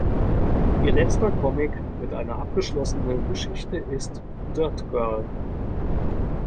Ihr letzter Comic mit einer abgeschlossenen Geschichte ist "Dirt Girl".